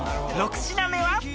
［６品目は？］